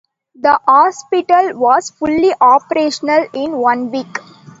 The hospital was fully operational in one week.